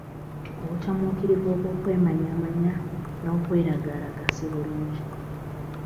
Obukyamuukirivu obw'okwemanyamanya n'okweragalaga si bulungi